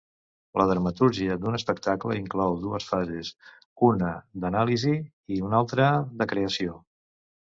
La dramatúrgia d'un espectacle inclou dues fases, una d'anàlisi i una altra de creació.